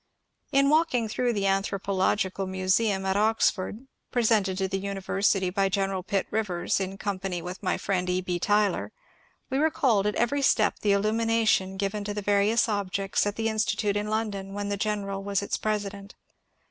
In walking through the Anthropological Museum at Ox ford, presented to the university by General Pitt Rivers, in company with my friend E. B. Tylor, we recalled at every step the illumination given to the various objects at the Insti tute in London when the general was its president.